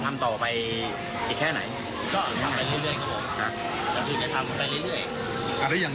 ก็ทำไปเรื่อย